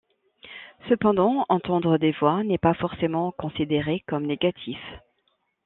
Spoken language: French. Cependant, entendre des voix n'est pas forcément considéré comme négatif.